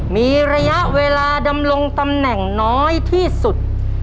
มีระยะเวลาดำรงตำแหน่งน้อยที่สุด